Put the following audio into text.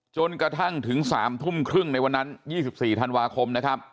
จนกระทั่งถึง๓ทุ่มครึ่งในวันนั้น๒๔ธันวาคมนะครับ